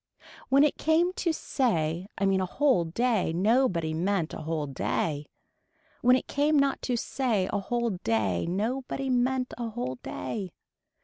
When it came to say I mean a whole day nobody meant a whole day. When it came not to say a whole day nobody meant a whole day.